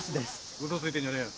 ウソついてんじゃねえよ。